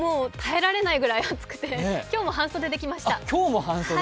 耐えられないぐらい暑くて今日も半袖で来ました。